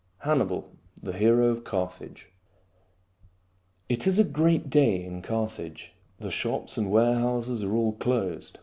" HANNIBAL, THE HERO OF CARTHAGE I. THE VOW It is a great day in Carthage. The shops and warehouses are all closed.